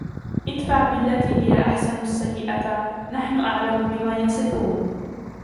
ادْفَعْ بِالَّتِي هِيَ أَحْسَنُ السَّيِّئَةَ نَحْنُ أَعْلَمُ بِمَا يَصِفُونَ